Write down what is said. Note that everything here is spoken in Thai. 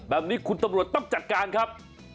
แบบนี้คุณตำรวจต้องจัดการครับ